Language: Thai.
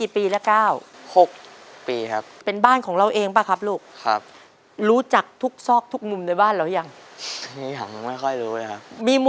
เปลี่ยนได้ไหม